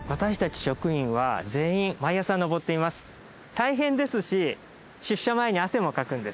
大変ですし出社前に汗もかくんです。